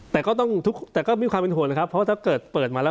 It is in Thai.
แต่ก็ไม่ความเป็นโทษนะครับเพราะถ้าเกิดเปิดมาแล้ว